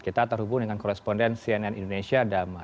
kita terhubung dengan koresponden cnn indonesia damar